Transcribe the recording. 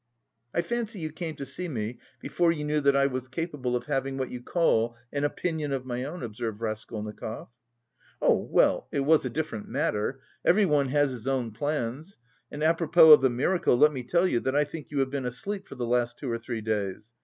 "I fancy you came to see me before you knew that I was capable of having what you call an opinion of my own," observed Raskolnikov. "Oh, well, it was a different matter. Everyone has his own plans. And apropos of the miracle let me tell you that I think you have been asleep for the last two or three days.